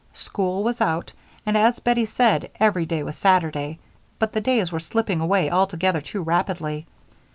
School was out, and, as Bettie said, every day was Saturday, but the days were slipping away altogether too rapidly.